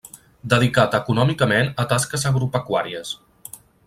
Dedicat econòmicament a tasques agropecuàries.